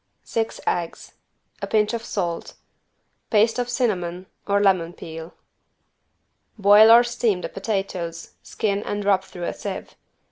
Six eggs. A pinch of salt. Paste of cinnamon or lemon peel. Boil or steam the potatoes, skin and rub through a sieve.